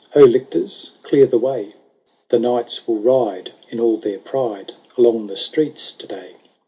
Ho, lictors, clear the way ! The Knights will ride, in all their pride, Along the streets to day.